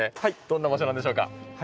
どんな場所なんでしょうか？